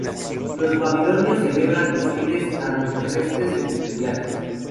Los babilonios celebraban desfiles tanto terrestres y fluviales.